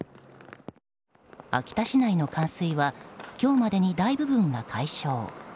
秋田市内の冠水は今日までに大部分が解消。